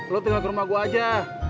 lo tinggal ke rumah gue aja